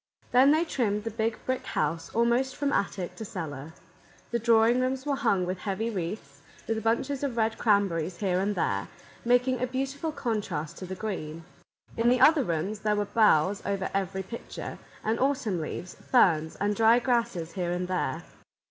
Then they trimmed the Big Brick House almost from attic to cellar. The drawing rooms were hung with heavy wreaths, with bunches of red cranberries here and there, making a beautiful contrast to the green. In the other rooms there were boughs over every picture, and autumn leaves, ferns, and dried grasses here and there.